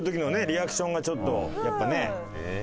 リアクションがちょっとやっぱね。